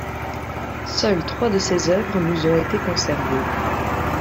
Seules trois de ses œuvres nous ont été conservées.